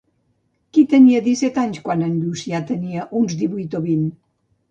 Qui tenia disset anys quan en Llucià tenia uns divuit o vint?